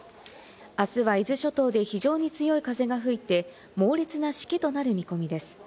あすは伊豆諸島で非常に強い風が吹いて猛烈なしけとなる見込みです。